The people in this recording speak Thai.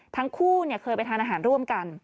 ทั้งคู่เคยไปทานอาหารร่วมกัน